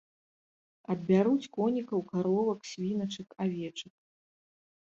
Адбяруць конікаў, каровак, свіначак, авечак.